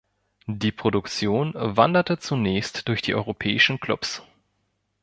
Die Produktion wanderte zunächst durch die europäischen Clubs.